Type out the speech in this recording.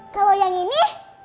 kalau yang ini